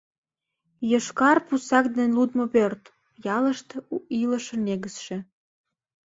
— Йошкар пусак ден лудмо пӧрт — ялыште у илышын негызше.